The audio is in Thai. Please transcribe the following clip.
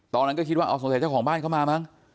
ตอนนั้นก็คิดว่าเอาสงสัยเจ้าของบ้านเข้ามามั้ง